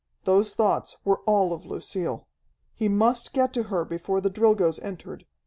Those thoughts were all of Lucille. He must get to her before the Drilgoes entered.